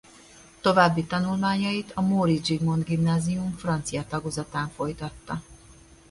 További tanulmányait a Móricz Zsigmond Gimnázium francia tagozatán folytatta.